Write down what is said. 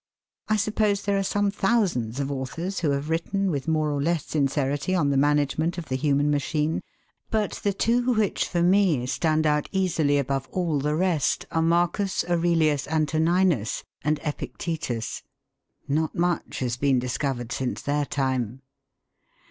I suppose there are some thousands of authors who have written with more or less sincerity on the management of the human machine. But the two which, for me, stand out easily above all the rest are Marcus Aurelius Antoninus and Epictetus. Not much has been discovered since their time.